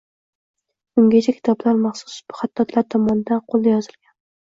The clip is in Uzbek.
Ungacha kitoblar maxsus hattotlar yordamida qoʻlda yozilgan.